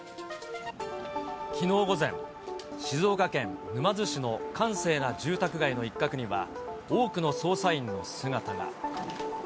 午前、静岡県沼津市の閑静な住宅街の一角には、多くの捜査員の姿が。